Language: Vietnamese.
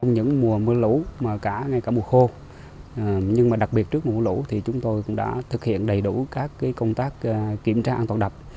những mùa mưa lũ mà cả ngay cả mùa khô nhưng mà đặc biệt trước mùa lũ thì chúng tôi cũng đã thực hiện đầy đủ các công tác kiểm tra an toàn đập